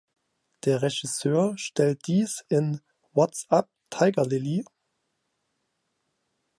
Der Regisseur stellt dies in "What’s Up, Tiger Lily?